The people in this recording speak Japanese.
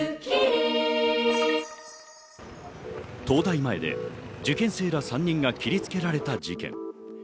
東大前で受験生ら３人が切りつけられた事件。